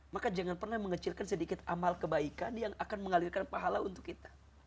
maka jangan pernah mengecilkan sedikit amal kebaikan yang akan mengalirkan pahala untuk kita